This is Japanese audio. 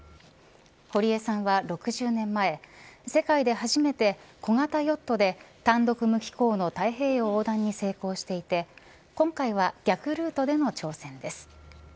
堀江さんは６０年前世界で初めて小型ヨットで単独無寄港の太平洋横断に成功していて今回は逆ルートでの挑戦です。